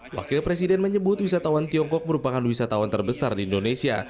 wakil presiden menyebut wisatawan tiongkok merupakan wisatawan terbesar di indonesia